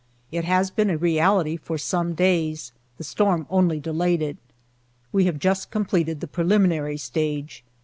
It has been a reality for some days. The storm only delayed it. We have just completed the preliminary stage.